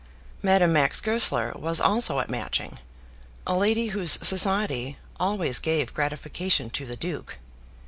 Madame Max Goesler was also at Matching, a lady whose society always gave gratification to the duke.